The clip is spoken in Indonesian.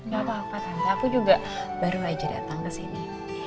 gak apa apa tante aku juga baru aja datang kesini